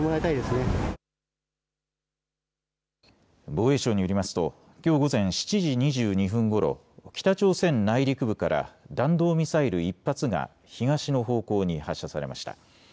防衛省によりますときょう午前７時２２分ごろ、北朝鮮内陸部から弾道ミサイル１発が東の方向に発射されました。